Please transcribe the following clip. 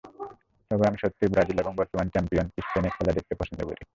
তবে আমি সত্যিই ব্রাজিল এবং বর্তমান চ্যাম্পিয়ন স্পেনের খেলা দেখতে পছন্দ করি।